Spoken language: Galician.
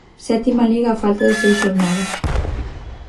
Sétima Liga á falta de seis xornadas...